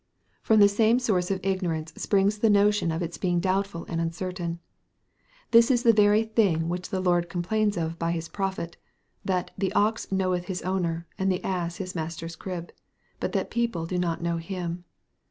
From the same source of ignorance springs the notion of its being doubtful and uncertain. This is the very thing which the Lord complains of by his prophet; that "the ox knoweth his owner, and the ass his master's crib," but that his people know not him.